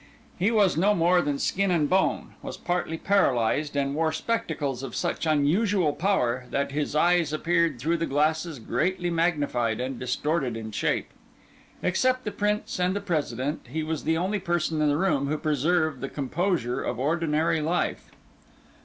He was no more than skin and bone, was partly paralysed, and wore spectacles of such unusual power, that his eyes appeared through the glasses greatly magnified and distorted in shape. Except the Prince and the President, he was the only person in the room who preserved the composure of ordinary life.